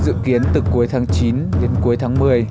dự kiến từ cuối tháng chín đến cuối tháng một mươi